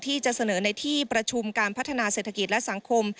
ที่จะเสนอในที่ประชุมการพัฒนาเศรษฐกิจและสังคม